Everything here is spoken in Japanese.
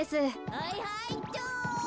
はいはいっと。